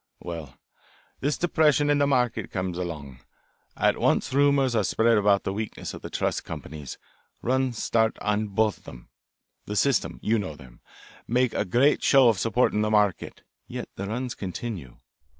"Well, this depression in the market comes along. At once rumours are spread about the weakness of the trust companies; runs start on both of them. The System, you know them make a great show of supporting the market. Yet the runs continue.